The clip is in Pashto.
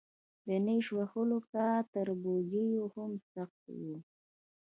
د نېش وهلو کار تر پوجيو هم سخت و.